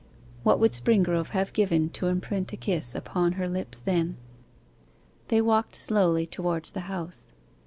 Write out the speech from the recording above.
What would Springrove have given to imprint a kiss upon her lips then! They walked slowly towards the house.